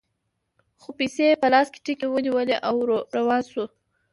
خو پیسې یې په لاس کې ټینګې ونیولې او روانې شوې.